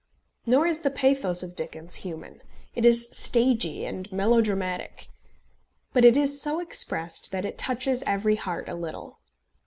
Nor is the pathos of Dickens human. It is stagey and melodramatic. But it is so expressed that it touches every heart a little.